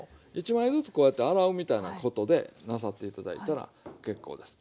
１枚ずつこうやって洗うみたいなことでなさって頂いたら結構です。